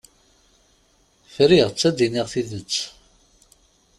Friɣ-tt ad d-iniɣ tidet.